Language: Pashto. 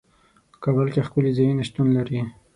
کابل کې ښکلي ځايونه شتون لري.